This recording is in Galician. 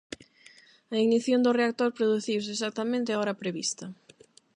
A ignición do reactor produciuse exactamente á hora prevista.